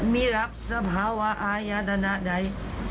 มีรับสภาวะอายาธนาใด